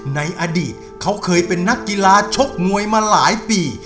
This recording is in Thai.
ในอดีตเขาเคยเป็นนักกีฬาชกมวยมาหลายปี